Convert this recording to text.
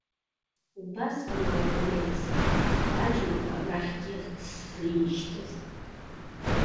Убасҟан ауп ианеилыскаа аџьмақәа рахьгьы сзишьҭыз.